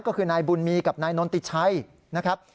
ก็คือนายบุญมีกับนายนนติชัยนะครับ